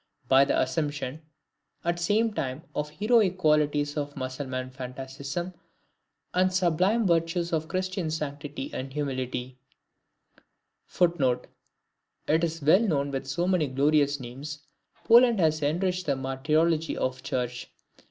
By the assumption, at the same time, of the heroic qualities of Mussulman fanaticism and the sublime virtues of Christian sanctity and humility, [Footnote: It is well known with how many glorious names Poland has enriched the martyrology of the Church.